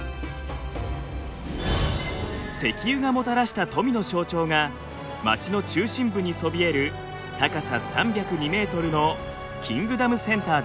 石油がもたらした富の象徴が街の中心部にそびえる高さ３０２ｍのキングダムセンターです。